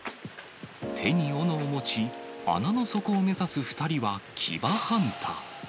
手におのを持ち、穴の底を目指す２人は牙ハンター。